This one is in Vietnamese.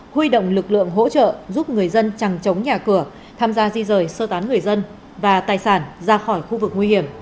huy động lực lượng hỗ trợ giúp người dân chẳng chống nhà cửa tham gia di rời sơ tán người dân và tài sản ra khỏi khu vực nguy hiểm